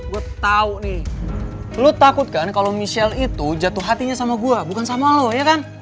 gue tau nih lu takut kan kalau michelle itu jatuh hatinya sama gue bukan sama lo ya kan